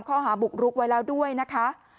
ข้อหาบุกรุกไว้แล้วด้วยนะคะ